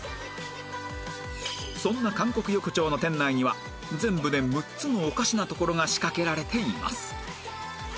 そんな韓国横丁の店内には全部で６つのおかしなところが仕掛けられています